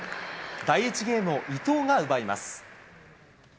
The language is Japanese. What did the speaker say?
第１ゲームを伊藤が奪います。